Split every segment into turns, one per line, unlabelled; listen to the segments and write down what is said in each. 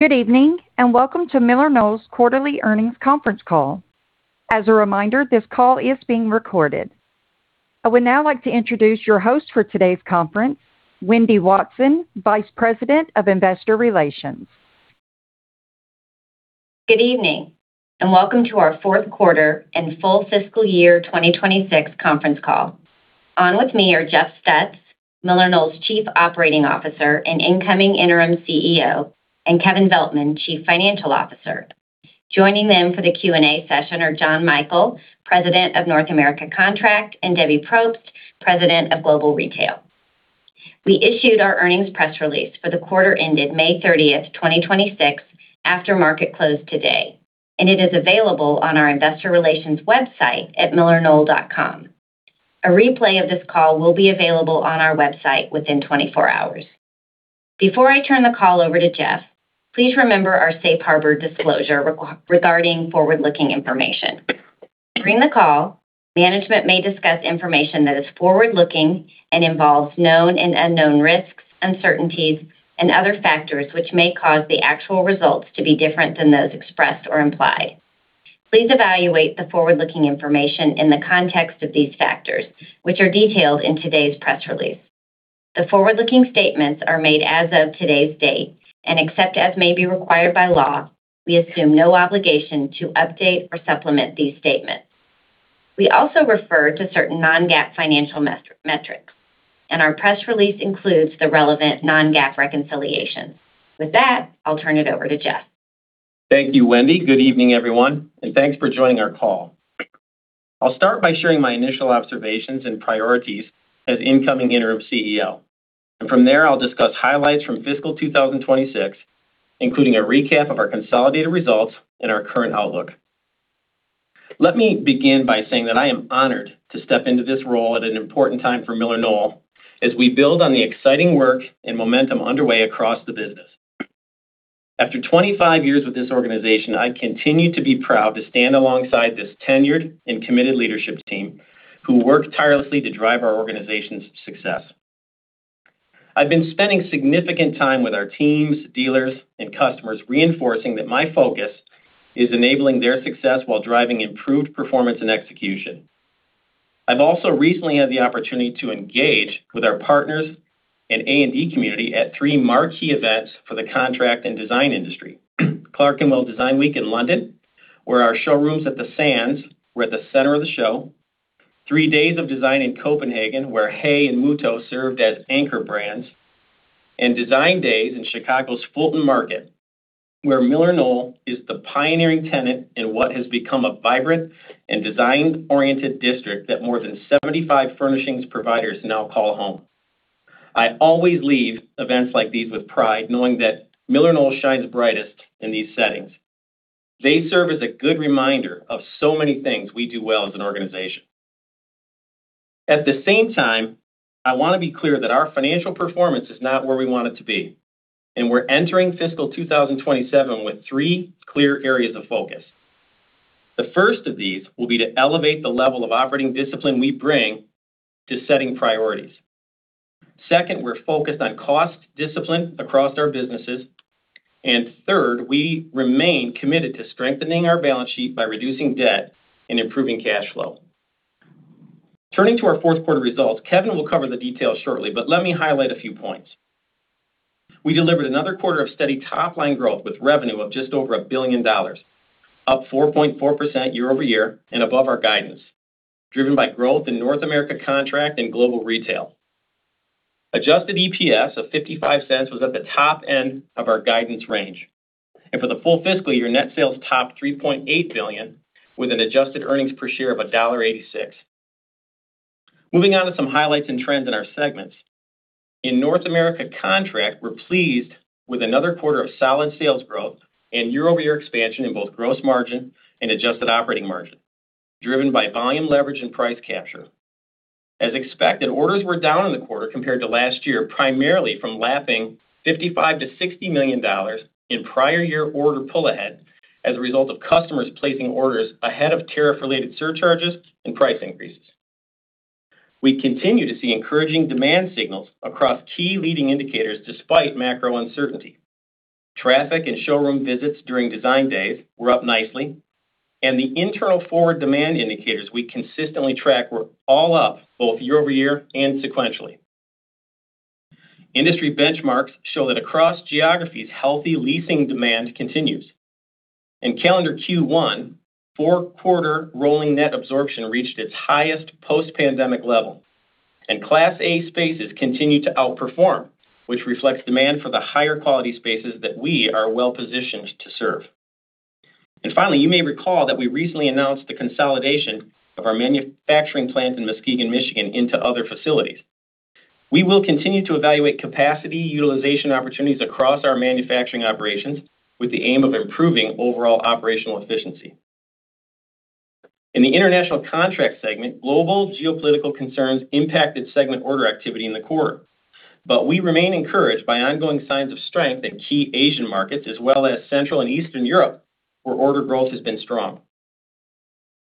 Good evening, welcome to MillerKnoll's quarterly earnings conference call. As a reminder, this call is being recorded. I would now like to introduce your host for today's conference, Wendy Watson, Vice President of Investor Relations.
Good evening, welcome to our fourth quarter and full fiscal year 2026 conference call. On with me are Jeff Stutz, MillerKnoll's Chief Operating Officer and incoming interim CEO, and Kevin Veltman, Chief Financial Officer. Joining them for the Q&A session are John Michael, President of North America Contract, and Debbie Propst, President of Global Retail. We issued our earnings press release for the quarter ended May 30th, 2026, after market close today, it is available on our Investor Relations website at millerknoll.com. A replay of this call will be available on our website within 24 hours. Before I turn the call over to Jeff, please remember our safe harbor disclosure regarding forward-looking information. During the call, management may discuss information that is forward-looking and involves known and unknown risks, uncertainties, and other factors which may cause the actual results to be different than those expressed or implied. Please evaluate the forward-looking information in the context of these factors, which are detailed in today's press release. The forward-looking statements are made as of today's date, except as may be required by law, we assume no obligation to update or supplement these statements. We also refer to certain non-GAAP financial metrics, our press release includes the relevant non-GAAP reconciliations. With that, I'll turn it over to Jeff.
Thank you, Wendy. Good evening, everyone, thanks for joining our call. I'll start by sharing my initial observations and priorities as incoming interim CEO, from there, I'll discuss highlights from fiscal 2026, including a recap of our consolidated results and our current outlook. Let me begin by saying that I am honored to step into this role at an important time for MillerKnoll as we build on the exciting work and momentum underway across the business. After 25 years with this organization, I continue to be proud to stand alongside this tenured and committed leadership team who work tirelessly to drive our organization's success. I've been spending significant time with our teams, dealers, and customers, reinforcing that my focus is enabling their success while driving improved performance and execution. I've also recently had the opportunity to engage with our partners and A&D community at three marquee events for the contract and design industry: Clerkenwell Design Week in London, where our showrooms at the Sands were at the center of the show, three days of design in Copenhagen, where HAY and Muuto served as anchor brands, and Design Days in Chicago's Fulton Market, where MillerKnoll is the pioneering tenant in what has become a vibrant and design-oriented district that more than 75 furnishings providers now call home. I always leave events like these with pride, knowing that MillerKnoll shines brightest in these settings. They serve as a good reminder of so many things we do well as an organization. At the same time, I want to be clear that our financial performance is not where we want it to be, and we're entering fiscal 2027 with three clear areas of focus. The first of these will be to elevate the level of operating discipline we bring to setting priorities. Second, we're focused on cost discipline across our businesses. Third, we remain committed to strengthening our balance sheet by reducing debt and improving cash flow. Turning to our fourth quarter results, Kevin will cover the details shortly, but let me highlight a few points. We delivered another quarter of steady top-line growth with revenue of just over $1 billion, up 4.4% year-over-year and above our guidance, driven by growth in North America Contract and Global Retail. Adjusted EPS of $0.55 was at the top end of our guidance range. For the full fiscal year, net sales topped $3.8 billion with an adjusted earnings per share of $1.86. Moving on to some highlights and trends in our segments. In North America Contract, we're pleased with another quarter of solid sales growth and year-over-year expansion in both gross margin and adjusted operating margin, driven by volume leverage and price capture. As expected, orders were down in the quarter compared to last year, primarily from lapping $55 million-$60 million in prior year order pull ahead as a result of customers placing orders ahead of tariff-related surcharges and price increases. We continue to see encouraging demand signals across key leading indicators despite macro uncertainty. Traffic and showroom visits during Design Days were up nicely, and the internal forward demand indicators we consistently track were all up both year-over-year and sequentially. Industry benchmarks show that across geographies, healthy leasing demand continues. In calendar Q1, four-quarter rolling net absorption reached its highest post-pandemic level, and Class A spaces continued to outperform, which reflects demand for the higher quality spaces that we are well-positioned to serve. Finally, you may recall that we recently announced the consolidation of our manufacturing plant in Muskegon, Michigan, into other facilities. We will continue to evaluate capacity utilization opportunities across our manufacturing operations with the aim of improving overall operational efficiency. In the International Contract segment, global geopolitical concerns impacted segment order activity in the quarter, but we remain encouraged by ongoing signs of strength in key Asian markets as well as Central and Eastern Europe, where order growth has been strong.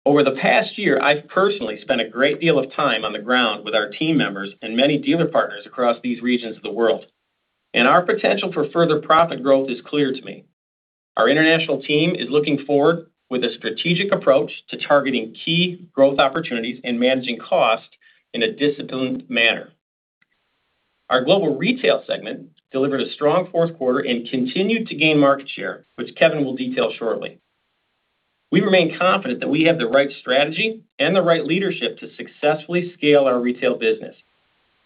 Over the past year, I've personally spent a great deal of time on the ground with our team members and many dealer partners across these regions of the world. Our potential for further profit growth is clear to me. Our international team is looking forward with a strategic approach to targeting key growth opportunities and managing costs in a disciplined manner. Our Global Retail segment delivered a strong fourth quarter and continued to gain market share, which Kevin will detail shortly. We remain confident that we have the right strategy and the right leadership to successfully scale our retail business.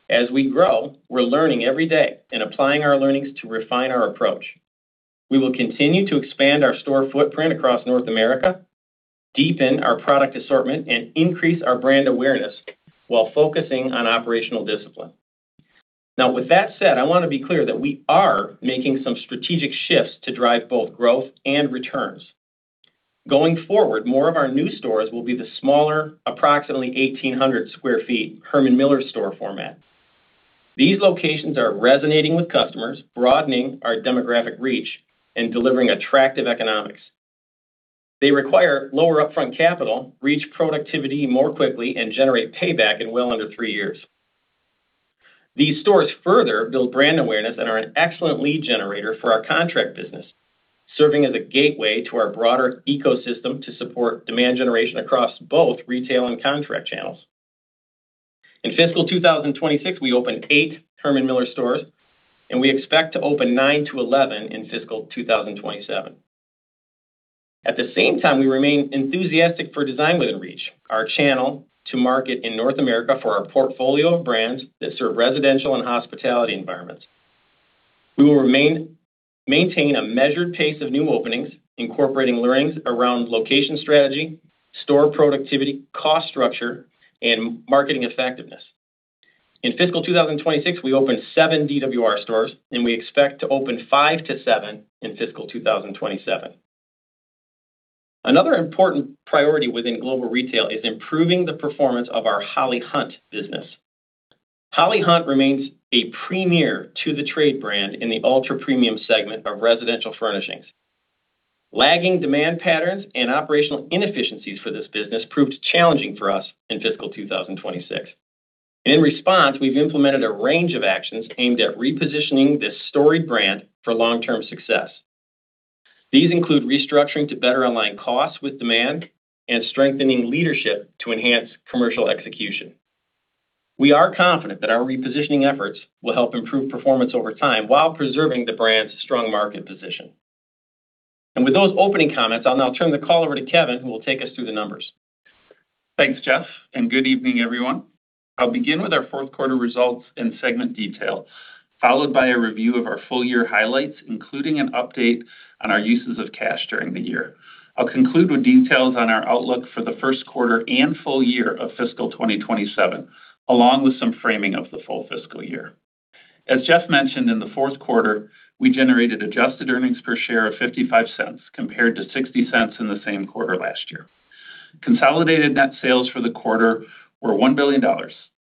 As we grow, we're learning every day and applying our learnings to refine our approach. We will continue to expand our store footprint across North America, deepen our product assortment, and increase our brand awareness while focusing on operational discipline. With that said, I want to be clear that we are making some strategic shifts to drive both growth and returns. Going forward, more of our new stores will be the smaller, approximately 1,800 sq ft Herman Miller store format. These locations are resonating with customers, broadening our demographic reach and delivering attractive economics. They require lower upfront capital, reach productivity more quickly, and generate payback in well under three years. These stores further build brand awareness and are an excellent lead generator for our contract business, serving as a gateway to our broader ecosystem to support demand generation across both retail and contract channels. In fiscal 2026, we opened eight Herman Miller stores, and we expect to open 9-11 in fiscal 2027. At the same time, we remain enthusiastic for Design Within Reach, our channel to market in North America for our portfolio of brands that serve residential and hospitality environments. We will maintain a measured pace of new openings, incorporating learnings around location strategy, store productivity, cost structure, and marketing effectiveness. In fiscal 2026, we opened seven DWR stores, and we expect to open five to seven in fiscal 2027. Another important priority within Global Retail is improving the performance of our Holly Hunt business. Holly Hunt remains a premier to the trade brand in the ultra-premium segment of residential furnishings. Lagging demand patterns and operational inefficiencies for this business proved challenging for us in fiscal 2026. In response, we've implemented a range of actions aimed at repositioning this storied brand for long-term success. These include restructuring to better align costs with demand and strengthening leadership to enhance commercial execution. We are confident that our repositioning efforts will help improve performance over time while preserving the brand's strong market position. With those opening comments, I'll now turn the call over to Kevin, who will take us through the numbers.
Thanks, Jeff, good evening, everyone. I'll begin with our fourth quarter results and segment detail, followed by a review of our full-year highlights, including an update on our uses of cash during the year. I'll conclude with details on our outlook for the first quarter and full-year of fiscal 2027, along with some framing of the full fiscal year. As Jeff mentioned, in the fourth quarter, we generated adjusted earnings per share of $0.55, compared to $0.60 in the same quarter last year. Consolidated net sales for the quarter were $1 billion,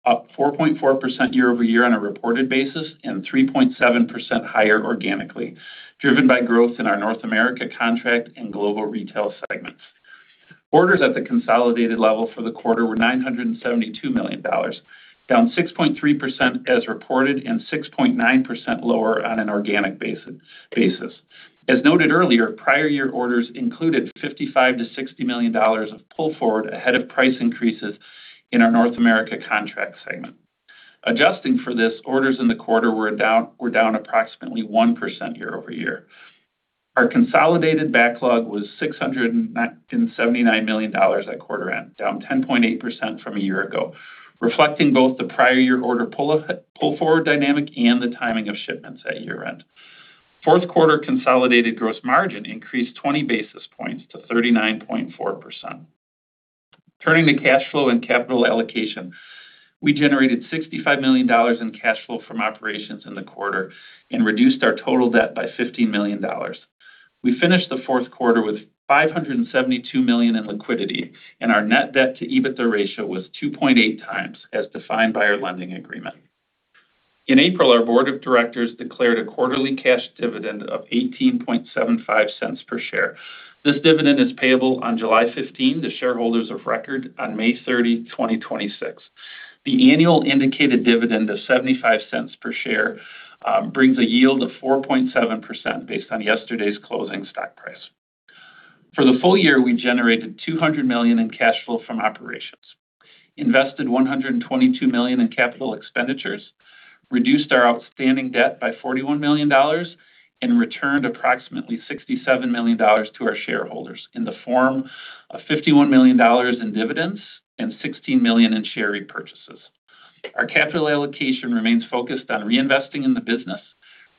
up 4.4% year-over-year on a reported basis and 3.7% higher organically, driven by growth in our North America Contract and Global Retail segments. Orders at the consolidated level for the quarter were $972 million, down 6.3% as reported and 6.9% lower on an organic basis. As noted earlier, prior year orders included $55 million-$60 million of pull forward ahead of price increases in our North America Contract segment. Adjusting for this, orders in the quarter were down approximately 1% year-over-year. Our consolidated backlog was $679 million at quarter end, down 10.8% from a year ago, reflecting both the prior year order pull-forward dynamic and the timing of shipments at year-end. Fourth quarter consolidated gross margin increased 20 basis points to 39.4%. Turning to cash flow and capital allocation. We generated $65 million in cash flow from operations in the quarter and reduced our total debt by $15 million. We finished the fourth quarter with $572 million in liquidity, and our net debt to EBITDA ratio was 2.8x as defined by our lending agreement. In April, our Board of Directors declared a quarterly cash dividend of $0.1875 per share. This dividend is payable on July 15 to shareholders of record on May 30, 2026. The annual indicated dividend of $0.75 per share brings a yield of 4.7% based on yesterday's closing stock price. For the full-year, we generated $200 million in cash flow from operations, invested $122 million in capital expenditures, reduced our outstanding debt by $41 million and returned approximately $67 million to our shareholders in the form of $51 million in dividends and $16 million in share repurchases. Our capital allocation remains focused on reinvesting in the business,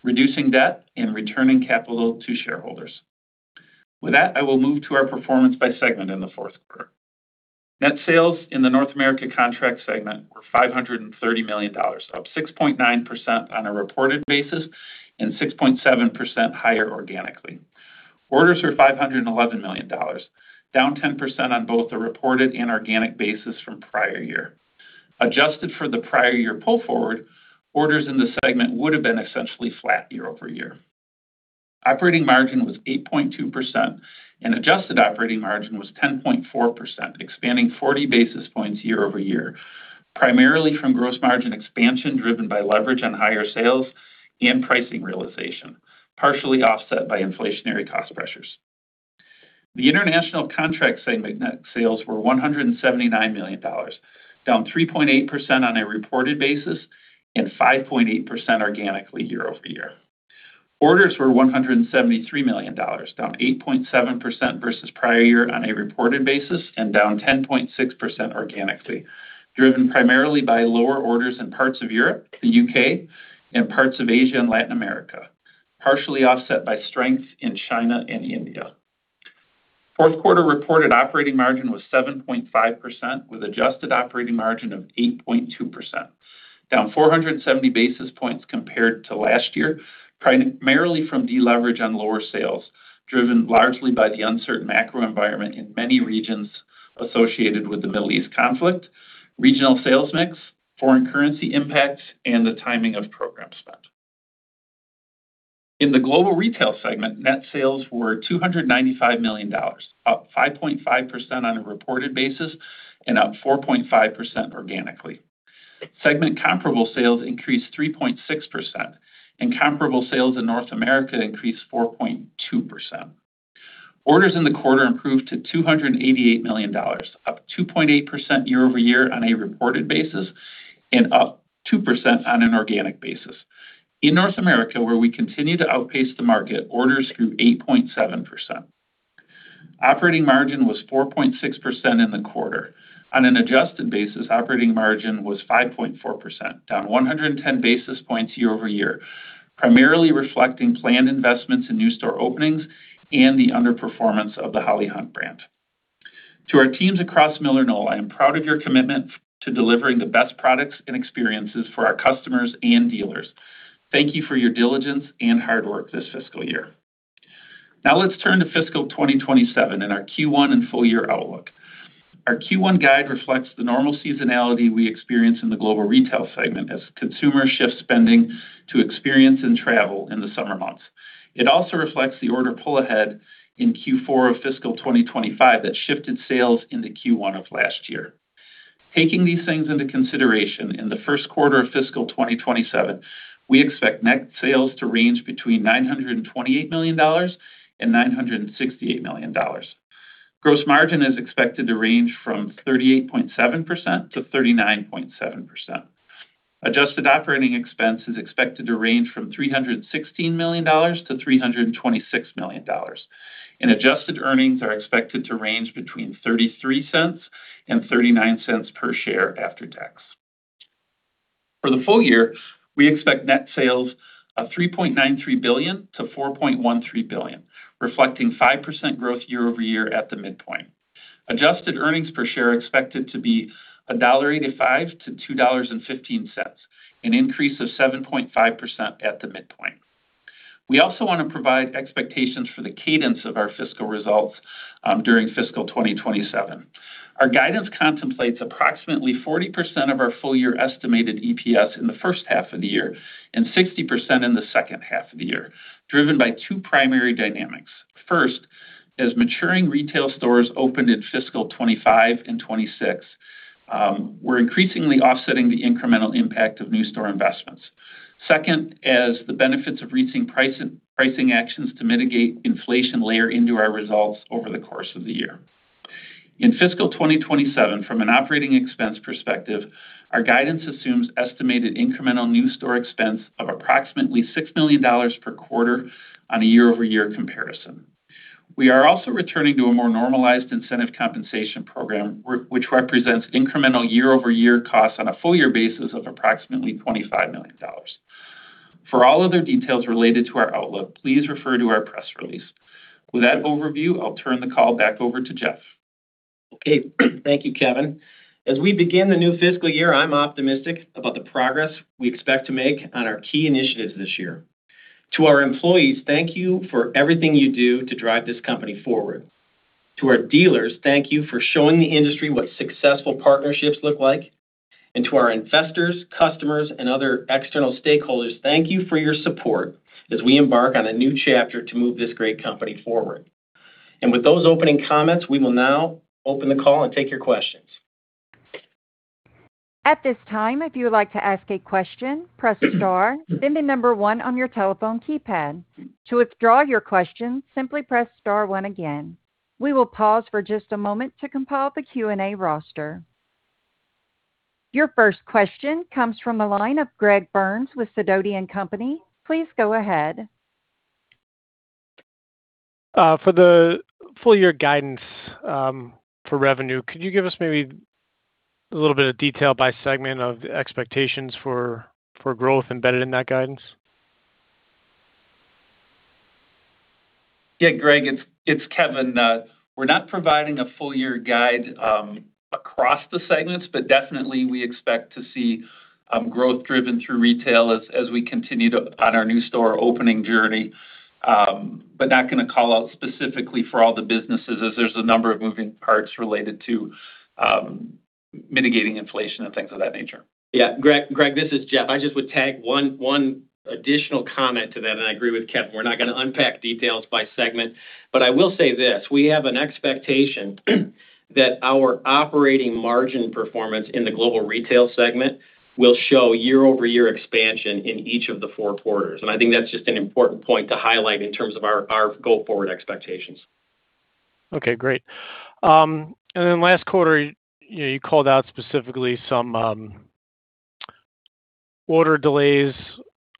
reducing debt, and returning capital to shareholders. With that, I will move to our performance by segment in the fourth quarter. Net sales in the North America Contract segment were $530 million, up 6.9% on a reported basis and 6.7% higher organically. Orders were $511 million, down 10% on both a reported and organic basis from prior year. Adjusted for the prior year pull forward, orders in the segment would have been essentially flat year-over-year. Operating margin was 8.2%, and adjusted operating margin was 10.4%, expanding 40 basis points year-over-year, primarily from gross margin expansion driven by leverage on higher sales and pricing realization, partially offset by inflationary cost pressures. The International Contract segment net sales were $179 million, down 3.8% on a reported basis and 5.8% organically year-over-year. Orders were $173 million, down 8.7% versus prior year on a reported basis and down 10.6% organically, driven primarily by lower orders in parts of Europe, the U.K., and parts of Asia and Latin America, partially offset by strength in China and India. Fourth quarter reported operating margin was 7.5%, with adjusted operating margin of 8.2%, down 470 basis points compared to last year, primarily from deleverage on lower sales, driven largely by the uncertain macro environment in many regions associated with the Middle East conflict, regional sales mix, foreign currency impact, and the timing of program spend. In the Global Retail segment, net sales were $295 million, up 5.5% on a reported basis and up 4.5% organically. Segment comparable sales increased 3.6%, and comparable sales in North America increased 4.2%. Orders in the quarter improved to $288 million, up 2.8% year-over-year on a reported basis and up 2% on an organic basis. In North America, where we continue to outpace the market, orders grew 8.7%. Operating margin was 4.6% in the quarter. On an adjusted basis, operating margin was 5.4%, down 110 basis points year-over-year, primarily reflecting planned investments in new store openings and the underperformance of the Holly Hunt brand. To our teams across MillerKnoll, I am proud of your commitment to delivering the best products and experiences for our customers and dealers. Thank you for your diligence and hard work this fiscal year. Now let's turn to fiscal 2027 and our Q1 and full-year outlook. Our Q1 guide reflects the normal seasonality we experience in the Global Retail segment as consumers shift spending to experience and travel in the summer months. It also reflects the order pull ahead in Q4 of fiscal 2025 that shifted sales into Q1 of last year. Taking these things into consideration, in the first quarter of fiscal 2027, we expect net sales to range between $928 million-$968 million. Gross margin is expected to range from 38.7%-39.7%. Adjusted operating expense is expected to range from $316 million-$326 million, and adjusted earnings are expected to range between $0.33 and $0.39 per share after tax. For the full-year, we expect net sales of $3.93 billion-$4.13 billion, reflecting 5% growth year-over-year at the midpoint. Adjusted earnings per share expected to be $1.85-$2.15, an increase of 7.5% at the midpoint. We also want to provide expectations for the cadence of our fiscal results during fiscal 2027. Our guidance contemplates approximately 40% of our full-year estimated EPS in the first half of the year and 60% in the second half of the year, driven by two primary dynamics. First, as maturing retail stores opened in fiscal 2025 and 2026, we're increasingly offsetting the incremental impact of new store investments. Second, as the benefits of recent pricing actions to mitigate inflation layer into our results over the course of the year. In fiscal 2027, from an operating expense perspective, our guidance assumes estimated incremental new store expense of approximately $6 million per quarter on a year-over-year comparison. We are also returning to a more normalized incentive compensation program, which represents incremental year-over-year costs on a full-year basis of approximately $25 million. For all other details related to our outlook, please refer to our press release. With that overview, I'll turn the call back over to Jeff.
Okay. Thank you, Kevin. As we begin the new fiscal year, I'm optimistic about the progress we expect to make on our key initiatives this year. To our employees, thank you for everything you do to drive this company forward. To our dealers, thank you for showing the industry what successful partnerships look like. To our investors, customers, and other external stakeholders, thank you for your support as we embark on a new chapter to move this great company forward. With those opening comments, we will now open the call and take your questions.
At this time, if you would like to ask a question, press star, then the number one on your telephone keypad. To withdraw your question, simply press star one again. We will pause for just a moment to compile the Q&A roster. Your first question comes from the line of Greg Burns with Sidoti & Company. Please go ahead.
For the full-year guidance for revenue, could you give us maybe a little bit of detail by segment of expectations for growth embedded in that guidance?
Greg, it's Kevin. We're not providing a full-year guide across the segments, definitely we expect to see growth driven through retail as we continue on our new store opening journey. Not going to call out specifically for all the businesses as there's a number of moving parts related to mitigating inflation and things of that nature.
Yeah. Greg, this is Jeff. I just would tag one additional comment to that, and I agree with Kevin. We're not going to unpack details by segment. I will say this, we have an expectation that our operating margin performance in the Global Retail segment will show year-over-year expansion in each of the four quarters. I think that's just an important point to highlight in terms of our go forward expectations.
Okay, great. Last quarter, you called out specifically some order delays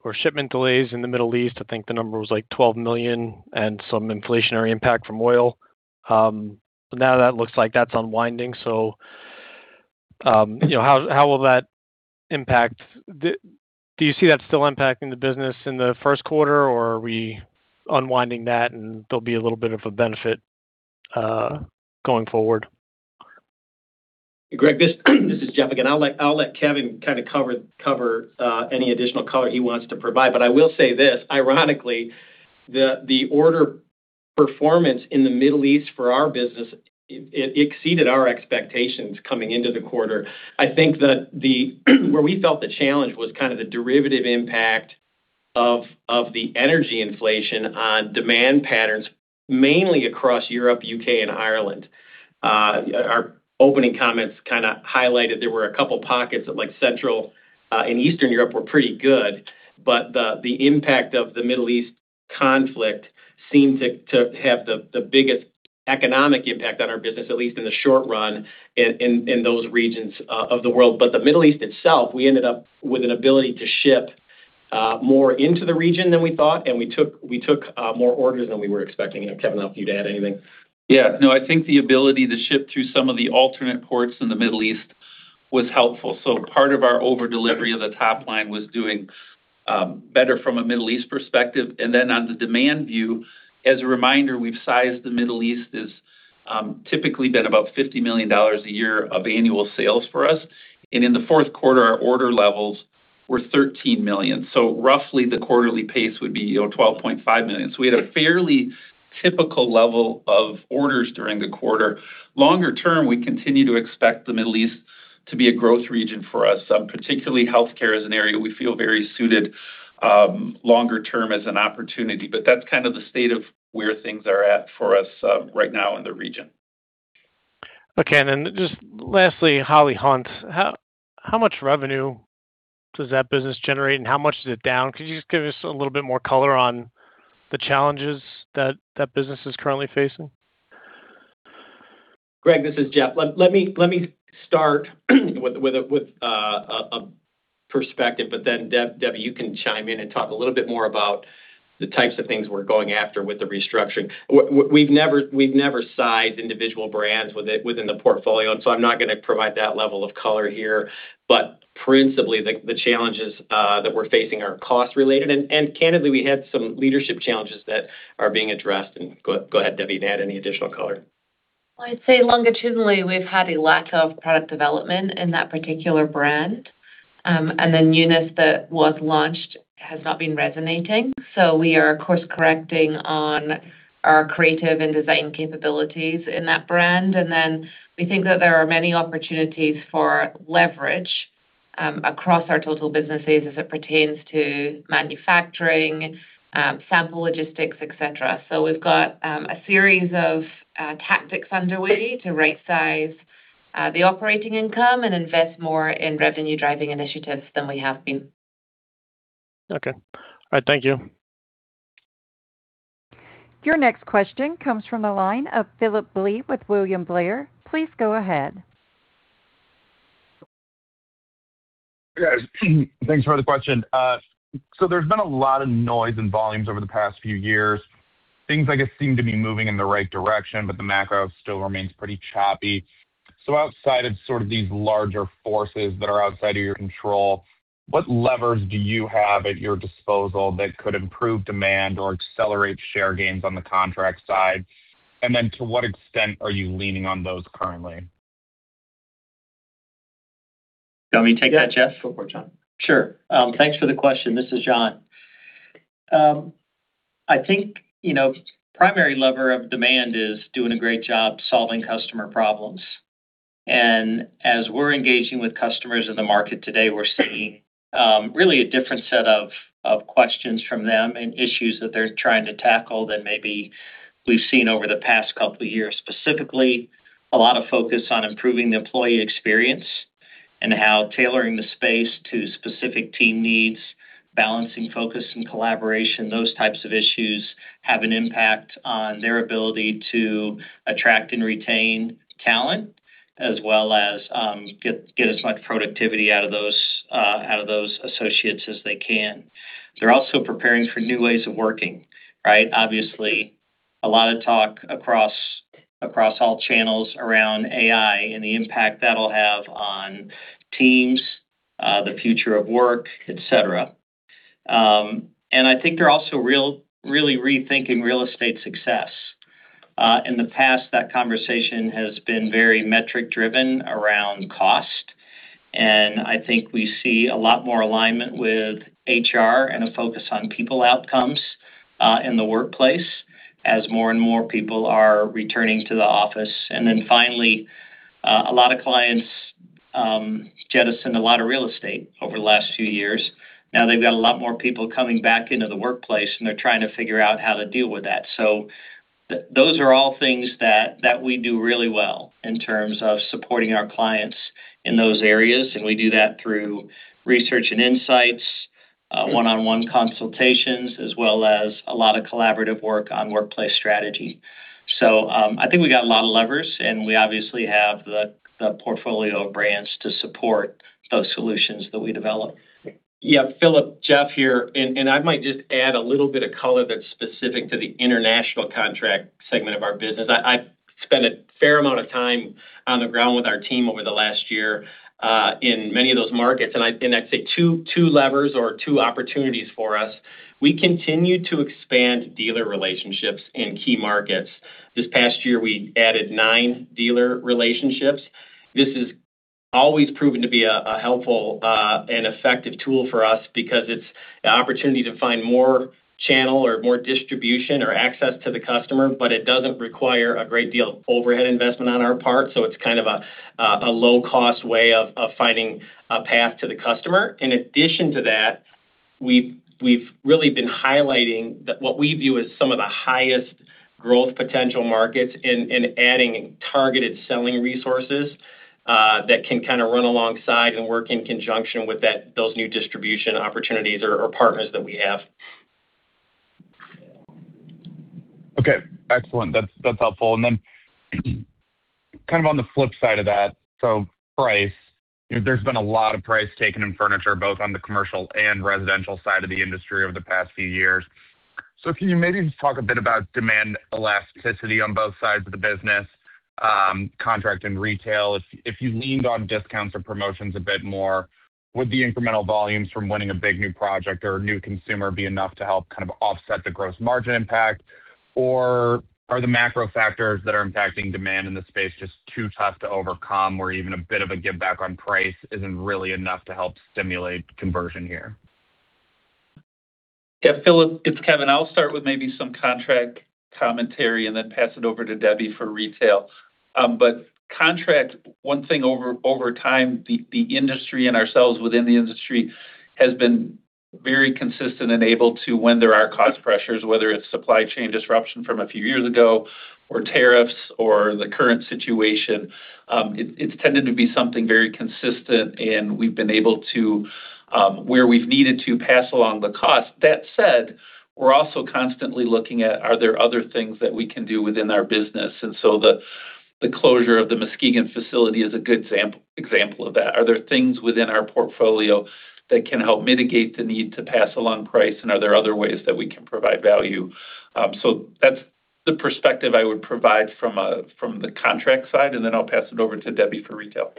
or shipment delays in the Middle East. I think the number was like $12 million and some inflationary impact from oil. Now that looks like that's unwinding. How will that impact the Do you see that still impacting the business in the first quarter, or are we unwinding that and there'll be a little bit of a benefit, going forward?
Greg, this is Jeff again. I'll let Kevin kind of cover any additional color he wants to provide. I will say this, ironically, the order performance in the Middle East for our business, it exceeded our expectations coming into the quarter. I think that where we felt the challenge was kind of the derivative impact of the energy inflation on demand patterns, mainly across Europe, U.K., and Ireland. Our opening comments kind of highlighted there were a couple pockets that, like Central and Eastern Europe, were pretty good. The impact of the Middle East conflict seemed to have the biggest economic impact on our business, at least in the short run, in those regions of the world. The Middle East itself, we ended up with an ability to ship more into the region than we thought, and we took more orders than we were expecting. Kevin, I don't know if you'd add anything.
No, I think the ability to ship through some of the alternate ports in the Middle East was helpful. Part of our over delivery of the top line was doing better from a Middle East perspective. On the demand view, as a reminder, we've sized the Middle East as typically been about $50 million a year of annual sales for us. In the fourth quarter, our order levels were $13 million. Roughly the quarterly pace would be $12.5 million. We had a fairly typical level of orders during the quarter. Longer term, we continue to expect the Middle East to be a growth region for us, particularly healthcare is an area we feel very suited longer term as an opportunity. That's kind of the state of where things are at for us right now in the region.
Lastly, Holly Hunt. How much revenue does that business generate, and how much is it down? Could you just give us a little bit more color on the challenges that that business is currently facing?
Greg, this is Jeff. Let me start with a perspective, Debbie, you can chime in and talk a little bit more about the types of things we're going after with the restructuring. We've never sized individual brands within the portfolio, I'm not going to provide that level of color here. Principally, the challenges that we're facing are cost related. Candidly, we had some leadership challenges that are being addressed. Go ahead, Debbie, to add any additional color.
I'd say longitudinally, we've had a lack of product development in that particular brand. The newness that was launched has not been resonating. We are course correcting on our creative and design capabilities in that brand. We think that there are many opportunities for leverage across our total businesses as it pertains to manufacturing, sample logistics, et cetera. We've got a series of tactics underway to right size the operating income and invest more in revenue-driving initiatives than we have been.
Okay. All right. Thank you.
Your next question comes from the line of Phillip Blee with William Blair. Please go ahead.
Guys, thanks for the question. There's been a lot of noise in volumes over the past few years. Things I guess seem to be moving in the right direction, the macro still remains pretty choppy. Outside of sort of these larger forces that are outside of your control, what levers do you have at your disposal that could improve demand or accelerate share gains on the contract side? To what extent are you leaning on those currently?
Do you want me to take that, Jeff?
Go for it, John.
Sure. Thanks for the question. This is John. I think primary lever of demand is doing a great job solving customer problems. As we're engaging with customers in the market today, we're seeing really a different set of questions from them and issues that they're trying to tackle than maybe we've seen over the past couple of years. Specifically, a lot of focus on improving the employee experience and how tailoring the space to specific team needs, balancing focus and collaboration, those types of issues, have an impact on their ability to attract and retain talent, as well as get as much productivity out of those associates as they can. They're also preparing for new ways of working, right? Obviously, a lot of talk across all channels around AI and the impact that'll have on teams, the future of work, et cetera. I think they're also really rethinking real estate success. In the past, that conversation has been very metric driven around cost. I think we see a lot more alignment with HR and a focus on people outcomes in the workplace as more and more people are returning to the office. Then finally, a lot of clients jettisoned a lot of real estate over the last few years. Now they've got a lot more people coming back into the workplace, and they're trying to figure out how to deal with that. Those are all things that we do really well in terms of supporting our clients in those areas, and we do that through research and insights, one-on-one consultations, as well as a lot of collaborative work on workplace strategy. I think we got a lot of levers, and we obviously have the portfolio of brands to support those solutions that we develop.
Yeah. Phillip, Jeff here. I might just add a little bit of color that's specific to the International Contract segment of our business. I've spent a fair amount of time on the ground with our team over the last year, in many of those markets. I'd say two levers or two opportunities for us. We continue to expand dealer relationships in key markets. This past year, we added nine dealer relationships. This has always proven to be a helpful and effective tool for us because it's an opportunity to find more channel or more distribution or access to the customer, but it doesn't require a great deal of overhead investment on our part, so it's kind of a low-cost way of finding a path to the customer. In addition to that, we've really been highlighting what we view as some of the highest growth potential markets and adding targeted selling resources that can kind of run alongside and work in conjunction with those new distribution opportunities or partners that we have.
Okay. Excellent. That's helpful. Kind of on the flip side of that, price. There's been a lot of price taken in furniture, both on the commercial and residential side of the industry over the past few years. Can you maybe just talk a bit about demand elasticity on both sides of the business, contract and retail? If you leaned on discounts or promotions a bit more, would the incremental volumes from winning a big new project or a new consumer be enough to help kind of offset the gross margin impact? Are the macro factors that are impacting demand in this space just too tough to overcome, where even a bit of a giveback on price isn't really enough to help stimulate conversion here?
Yeah, Phillip, it's Kevin. I'll start with maybe some contract commentary and then pass it over to Debbie for retail. Contract, one thing over time, the industry and ourselves within the industry has been very consistent and able to when there are cost pressures, whether it's supply chain disruption from a few years ago or tariffs or the current situation. It's tended to be something very consistent, and we've been able to, where we've needed to pass along the cost. That said, we're also constantly looking at are there other things that we can do within our business. The closure of the Muskegon facility is a good example of that. Are there things within our portfolio that can help mitigate the need to pass along price, and are there other ways that we can provide value? That's the perspective I would provide from the contract side, and then I'll pass it over to Debbie for retail.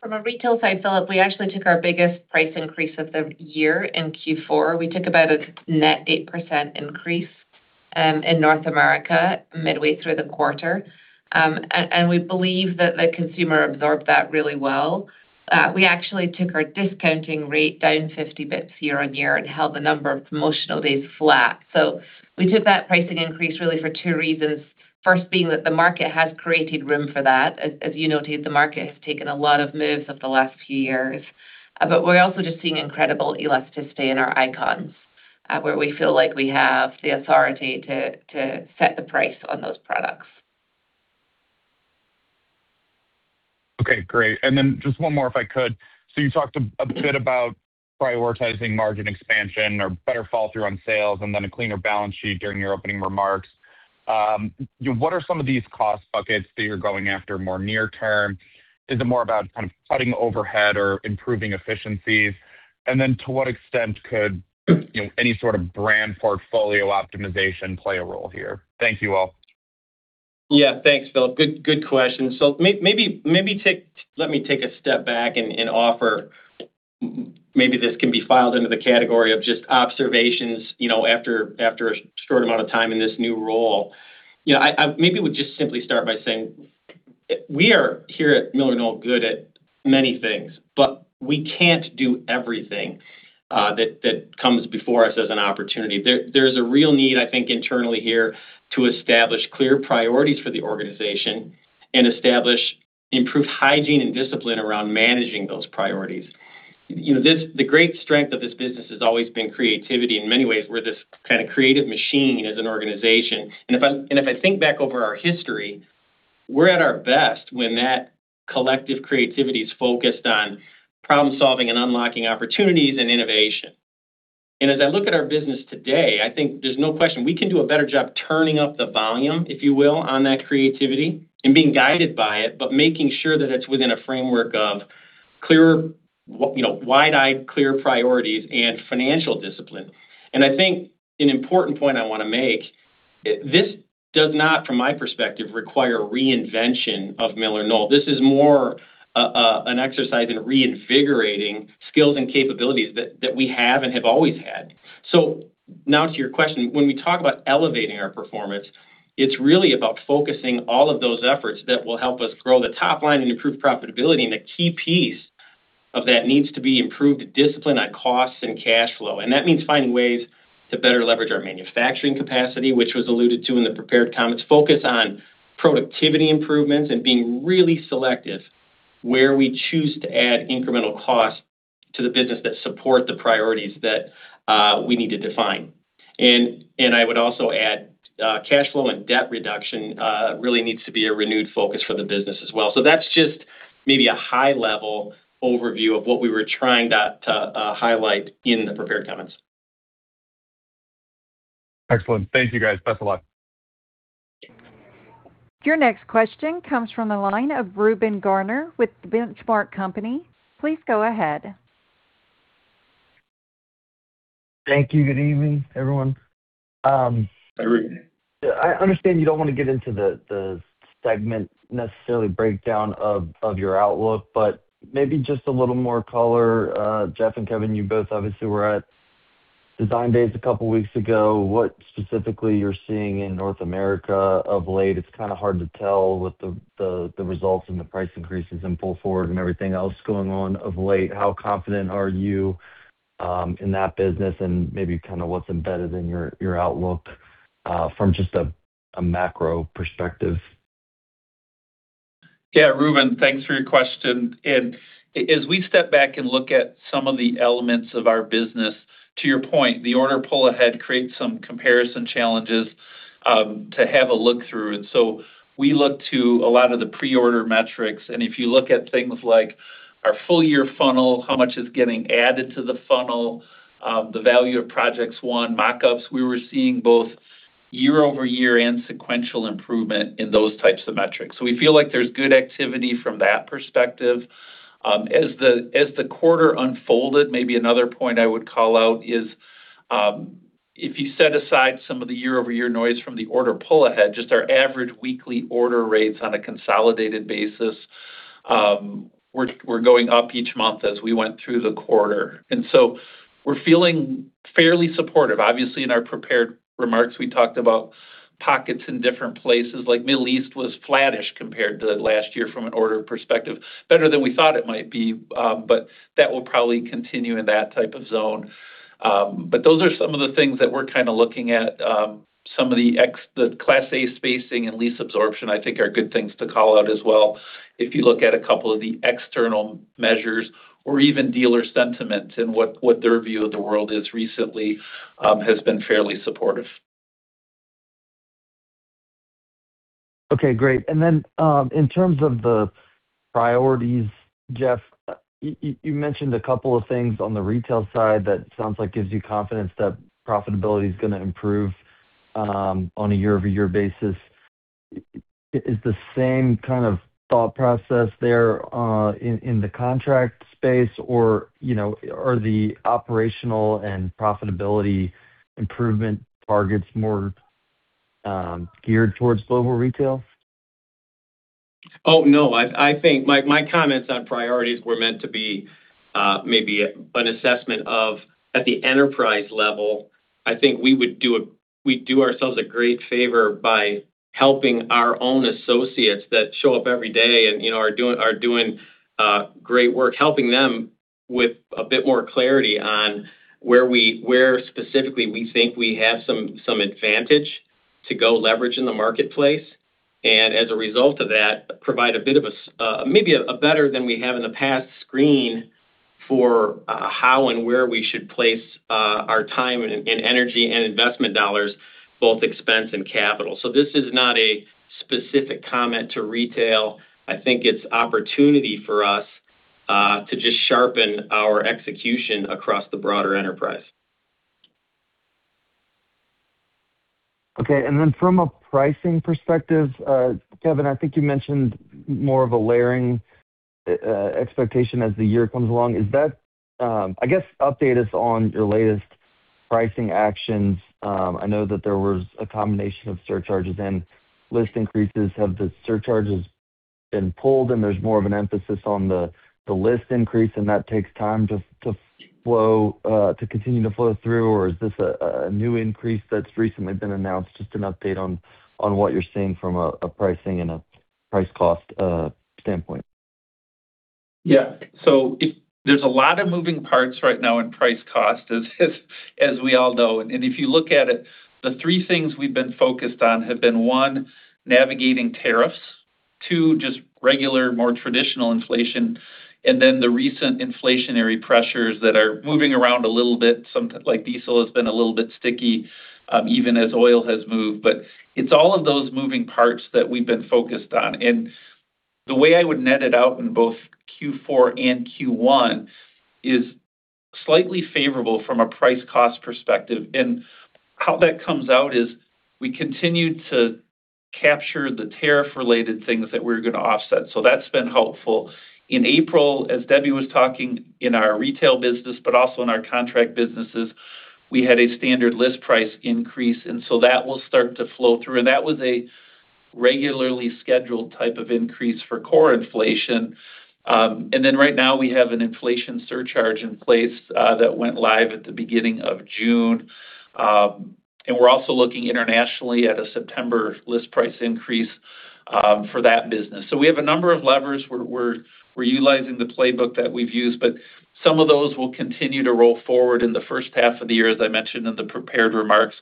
From a retail side, Phillip, we actually took our biggest price increase of the year in Q4. We took about a net 8% increase in North America midway through the quarter. We believe that the consumer absorbed that really well. We actually took our discounting rate down 50 basis points year-on-year and held the number of promotional days flat. We took that pricing increase really for two reasons. First being that the market has created room for that. As you noted, the market has taken a lot of moves over the last few years. We're also just seeing incredible elasticity in our icons, where we feel like we have the authority to set the price on those products.
Okay, great. Just one more if I could. You talked a bit about prioritizing margin expansion or better fall through on sales and then a cleaner balance sheet during your opening remarks. What are some of these cost buckets that you're going after more near-term? Is it more about kind of cutting overhead or improving efficiencies? To what extent could any sort of brand portfolio optimization play a role here? Thank you, all.
Yeah. Thanks, Phillip. Good question. Maybe let me take a step back and offer maybe this can be filed under the category of just observations after a short amount of time in this new role. Maybe I would just simply start by saying we are, here at MillerKnoll, good at many things, but we can't do everything that comes before us as an opportunity. There's a real need, I think, internally here to establish clear priorities for the organization and establish improved hygiene and discipline around managing those priorities. The great strength of this business has always been creativity. In many ways, we're this kind of creative machine as an organization. If I think back over our history, we're at our best when that collective creativity is focused on problem-solving and unlocking opportunities and innovation. As I look at our business today, I think there's no question we can do a better job turning up the volume, if you will, on that creativity and being guided by it, but making sure that it's within a framework of wide-eyed, clear priorities and financial discipline. I think an important point I want to make, this does not, from my perspective, require reinvention of MillerKnoll. This is more an exercise in reinvigorating skills and capabilities that we have and have always had. Now to your question, when we talk about elevating our performance, it's really about focusing all of those efforts that will help us grow the top line and improve profitability, and a key piece of that needs to be improved discipline on costs and cash flow. That means finding ways to better leverage our manufacturing capacity, which was alluded to in the prepared comments, focus on productivity improvements and being really selective where we choose to add incremental cost to the business that support the priorities that we need to define. I would also add cash flow and debt reduction really needs to be a renewed focus for the business as well. That's just maybe a high-level overview of what we were trying to highlight in the prepared comments.
Excellent. Thank you, guys. Best of luck.
Your next question comes from the line of Reuben Garner with The Benchmark Company. Please go ahead.
Thank you. Good evening, everyone.
Hi, Reuben.
I understand you don't want to get into the segment necessarily breakdown of your outlook, but maybe just a little more color. Jeff and Kevin, you both obviously were at Design Days a couple of weeks ago. What specifically you're seeing in North America of late? It's kind of hard to tell with the results and the price increases in pull forward and everything else going on of late. How confident are you in that business and maybe kind of what's embedded in your outlook from just a macro perspective?
Yeah, Reuben, thanks for your question. As we step back and look at some of the elements of our business, to your point, the order pull ahead creates some comparison challenges to have a look through. We look to a lot of the pre-order metrics, and if you look at things like our full-year funnel, how much is getting added to the funnel, the value of projects won, mock-ups, we were seeing both year-over-year and sequential improvement in those types of metrics. We feel like there's good activity from that perspective. As the quarter unfolded, maybe another point I would call out is, if you set aside some of the year-over-year noise from the order pull ahead, just our average weekly order rates on a consolidated basis were going up each month as we went through the quarter. We're feeling fairly supportive. Obviously, in our prepared remarks, we talked about pockets in different places, like Middle East was flattish compared to last year from an order perspective, better than we thought it might be, but that will probably continue in that type of zone. Those are some of the things that we're kind of looking at. Some of the Class A spacing and lease absorption, I think, are good things to call out as well if you look at a couple of the external measures or even dealer sentiment and what their view of the world is recently has been fairly supportive.
Okay, great. In terms of the priorities, Jeff, you mentioned a couple of things on the retail side that sounds like gives you confidence that profitability is going to improve on a year-over-year basis. Is the same kind of thought process there in the contract space, or are the operational and profitability improvement targets more geared towards Global Retail?
Oh, no. I think my comments on priorities were meant to be maybe an assessment of at the enterprise level. I think we do ourselves a great favor by helping our own associates that show up every day and are doing great work, helping them with a bit more clarity on where specifically we think we have some advantage to go leverage in the marketplace. As a result of that, provide maybe a better than we have in the past screen for how and where we should place our time and energy and investment dollars, both expense and capital. This is not a specific comment to retail. I think it's opportunity for us to just sharpen our execution across the broader enterprise.
Okay. From a pricing perspective, Kevin, I think you mentioned more of a layering expectation as the year comes along. I guess update us on your latest pricing actions. I know that there was a combination of surcharges and list increases. Have the surcharges been pulled and there's more of an emphasis on the list increase and that takes time to continue to flow through? Or is this a new increase that's recently been announced? Just an update on what you're seeing from a pricing and a price cost standpoint.
There's a lot of moving parts right now in price cost, as we all know. If you look at it, the three things we've been focused on have been, one, navigating tariffs, two, just regular, more traditional inflation, and then the recent inflationary pressures that are moving around a little bit. Something like diesel has been a little bit sticky, even as oil has moved. It's all of those moving parts that we've been focused on. The way I would net it out in both Q4 and Q1 is slightly favorable from a price cost perspective. How that comes out is we continue to capture the tariff-related things that we're going to offset. That's been helpful. In April, as Debbie was talking, in our Global Retail business, but also in our contract businesses, we had a standard list price increase. That will start to flow through. That was a regularly scheduled type of increase for core inflation. Right now we have an inflation surcharge in place that went live at the beginning of June. We're also looking internationally at a September list price increase for that business. We have a number of levers. We're utilizing the playbook that we've used. Some of those will continue to roll forward in the first half of the year, as I mentioned in the prepared remarks,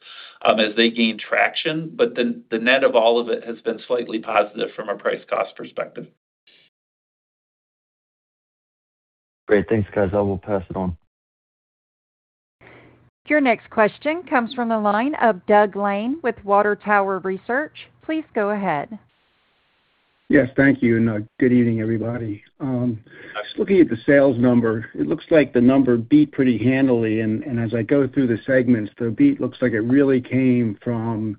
as they gain traction. The net of all of it has been slightly positive from a price cost perspective.
Great. Thanks, guys. I will pass it on.
Your next question comes from the line of Doug Lane with Water Tower Research. Please go ahead.
Yes, thank you. Good evening, everybody. I was looking at the sales number. It looks like the number beat pretty handily, and as I go through the segments, the beat looks like it really came from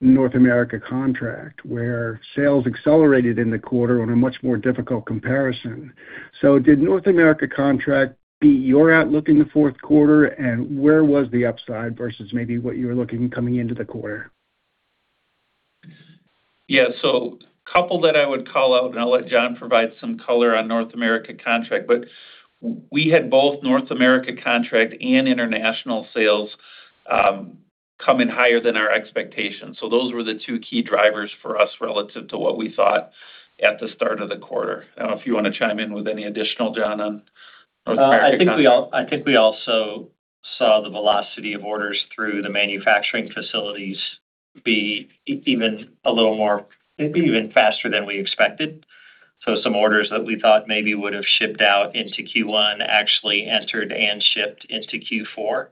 North America Contract, where sales accelerated in the quarter on a much more difficult comparison. Did North America Contract beat your outlook in the fourth quarter, and where was the upside versus maybe what you were looking coming into the quarter?
Yeah. Couple that I would call out, and I'll let John provide some color on North America Contract, but we had both North America Contract and international sales come in higher than our expectations. Those were the two key drivers for us relative to what we thought at the start of the quarter. I don't know if you want to chime in with any additional, John, on North America Contract.
I think we also saw the velocity of orders through the manufacturing facilities be even a little more, maybe even faster than we expected. Some orders that we thought maybe would've shipped out into Q1 actually entered and shipped into Q4.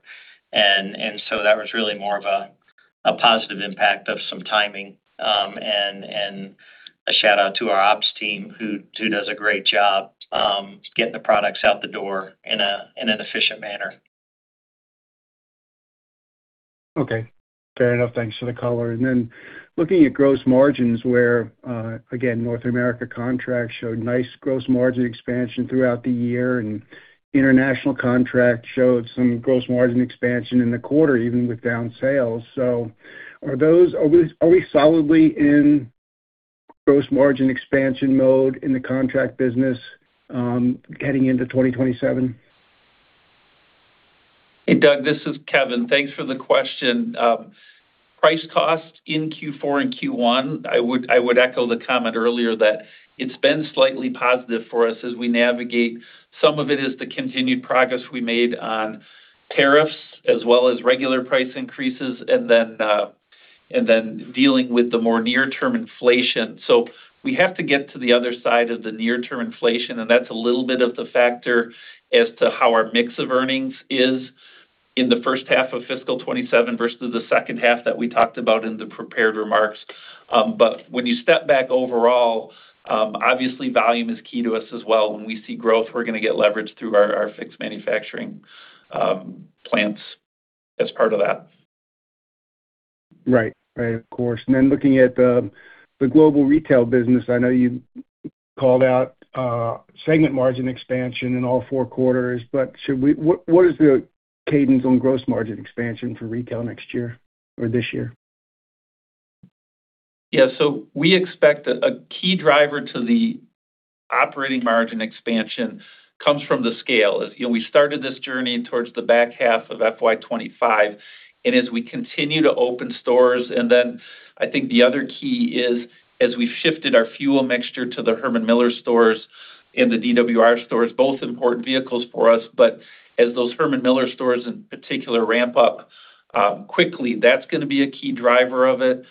That was really more of a positive impact of some timing, and a shout-out to our ops team who does a great job getting the products out the door in an efficient manner.
Okay, fair enough. Thanks for the color. Looking at gross margins where, again, North America Contract showed nice gross margin expansion throughout the year, and International Contract showed some gross margin expansion in the quarter, even with down sales. Are we solidly in gross margin expansion mode in the contract business heading into 2027?
Hey, Doug, this is Kevin. Thanks for the question. Price cost in Q4 and Q1, I would echo the comment earlier that it's been slightly positive for us as we navigate. Some of it is the continued progress we made on tariffs as well as regular price increases and then dealing with the more near-term inflation. We have to get to the other side of the near-term inflation, and that's a little bit of the factor as to how our mix of earnings is in the first half of fiscal 2027 versus the second half that we talked about in the prepared remarks. When you step back overall, obviously volume is key to us as well. When we see growth, we're going to get leverage through our fixed manufacturing plants as part of that.
Right. Of course. Looking at the Global Retail business, I know you called out segment margin expansion in all four quarters. What is the cadence on gross margin expansion for retail next year or this year?
We expect a key driver to the operating margin expansion comes from the scale. We started this journey towards the back half of FY 2025. As we continue to open stores, I think the other key is as we've shifted our fuel mixture to the Herman Miller stores and the DWR stores, both important vehicles for us. As those Herman Miller stores in particular ramp up quickly, that's going to be a key driver of it.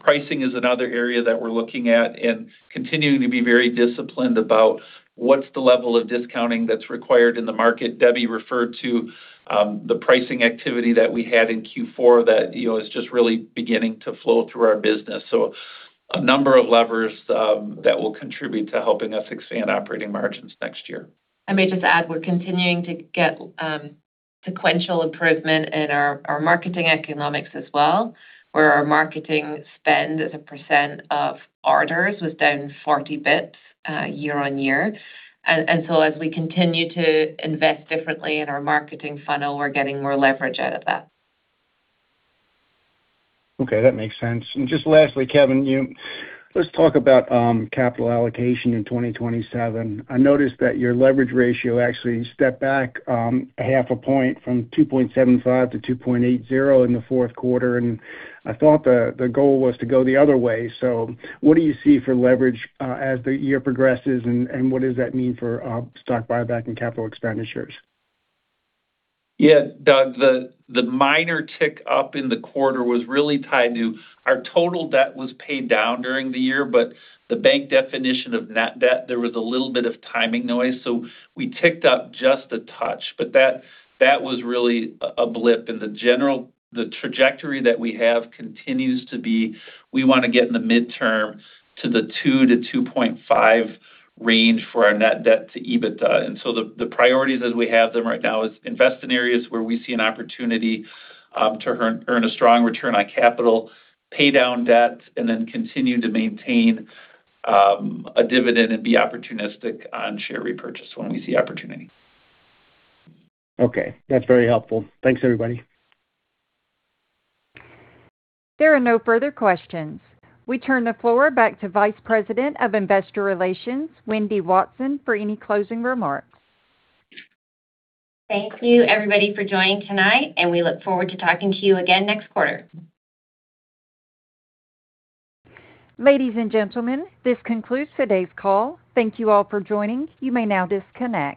Pricing is another area that we're looking at and continuing to be very disciplined about what's the level of discounting that's required in the market. Debbie referred to the pricing activity that we had in Q4 that is just really beginning to flow through our business. A number of levers that will contribute to helping us expand operating margins next year.
I may just add, we're continuing to get sequential improvement in our marketing economics as well, where our marketing spend as a percent of orders was down 40 bits year-over-year. As we continue to invest differently in our marketing funnel, we're getting more leverage out of that.
Okay, that makes sense. Just lastly, Kevin, let's talk about capital allocation in 2027. I noticed that your leverage ratio actually stepped back half a point from 2.75 to 2.80 in the fourth quarter, and I thought the goal was to go the other way. What do you see for leverage as the year progresses, and what does that mean for stock buyback and capital expenditures?
Yeah, Doug, the minor tick up in the quarter was really tied to our total debt was paid down during the year, the bank definition of net debt, there was a little bit of timing noise. We ticked up just a touch, but that was really a blip. The general trajectory that we have continues to be, we want to get in the midterm to the two to 2.5 range for our net debt to EBITDA. The priorities as we have them right now is invest in areas where we see an opportunity to earn a strong return on capital, pay down debt, continue to maintain a dividend and be opportunistic on share repurchase when we see opportunity.
Okay. That's very helpful. Thanks, everybody.
There are no further questions. We turn the floor back to Vice President of Investor Relations, Wendy Watson, for any closing remarks.
Thank you everybody for joining tonight. We look forward to talking to you again next quarter.
Ladies and gentlemen, this concludes today's call. Thank you all for joining. You may now disconnect.